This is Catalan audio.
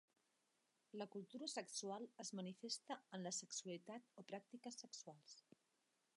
La cultura sexual es manifesta en la sexualitat o pràctiques sexuals.